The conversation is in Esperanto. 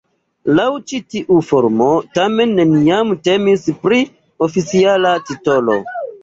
Laŭ ĉi tiu formo tamen neniam temis pri oficiala titolo.